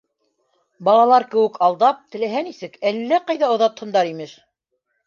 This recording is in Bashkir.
— Балалар кеүек алдап, теләһә нисек, әллә ҡайҙа оҙатһындар, имеш.